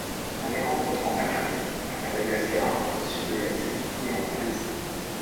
On les rencontre en Afrique, à Madagascar, au sud de l'Asie et en Malaisie.